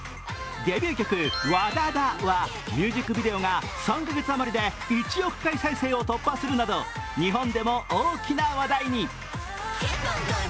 デビュー曲「ＷＡＤＡＤＡ」はミュージックビデオが３カ月あまりで１億回再生を突破するなど日本でも大きな話題に。